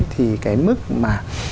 thì cái mức mà